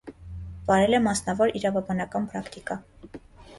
Վարել է մասնավոր իրավաբանական պրակտիկա։